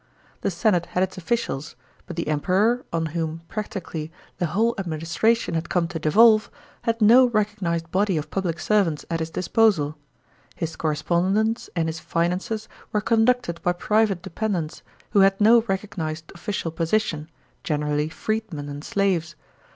The senate had its officials ; but the Emperor, on whom, practically, the whole administration had come to devolve, had no recognised body of public servants at his disposal. His correspondence and his finances were conducted by private dependents, who had no recognised official position — generally freedmen and slaves.